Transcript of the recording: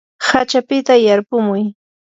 hachapita yarpumuy.